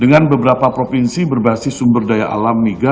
dengan beberapa provinsi berbasis sumber daya alam miga